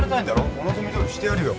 お望みどおりしてやるよ。